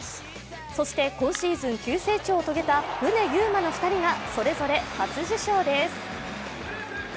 そして、今シーズン急成長を遂げた宗佑磨の２人がそれぞれ初受賞です。